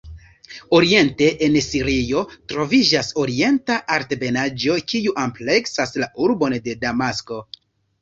Oriente, en Sirio, troviĝas Orienta Altebenaĵo kiu ampleksas la urbon de Damasko.